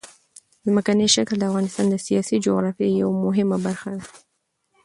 ځمکنی شکل د افغانستان د سیاسي جغرافیه یوه مهمه برخه ده.